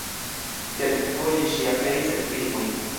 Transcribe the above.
Kelkfoje ŝi aperis en filmoj.